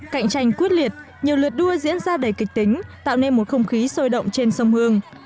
cạnh tranh quyết liệt nhiều lượt đua diễn ra đầy kịch tính tạo nên một không khí sôi động trên sông hương